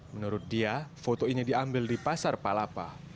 menurut dia foto ini diambil di pasar palapa